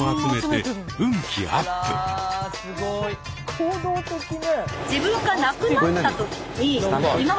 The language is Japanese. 行動的ね。